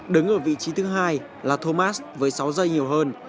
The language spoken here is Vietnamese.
đứng ở vị trí thứ hai là thomas với sáu giây nhiều hơn